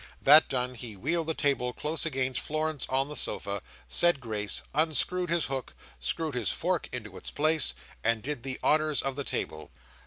That done, he wheeled the table close against Florence on the sofa, said grace, unscrewed his hook, screwed his fork into its place, and did the honours of the table.